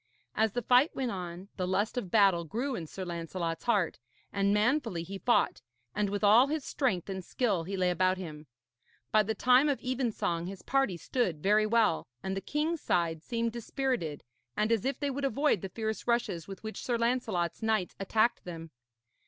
As the fight went on, the lust of battle grew in Sir Lancelot's heart, and manfully he fought, and with all his strength and skill he lay about him. By the time of evensong his party stood very well, and the king's side seemed dispirited and as if they would avoid the fierce rushes with which Sir Lancelot's knights attacked them.